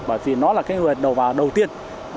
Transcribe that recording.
bởi vì nó là hướng đầu tiên